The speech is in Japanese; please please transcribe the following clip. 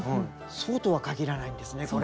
そうとは限らないんですねこれが。